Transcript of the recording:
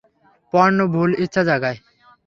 পর্ণ ভুল ইচ্ছা জাগায়।